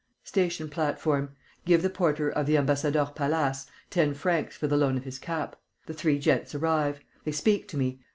Station platform. Give the porter of the Ambassadeurs Palace ten francs for the loan of his cap. The three gents arrive. They speak to me.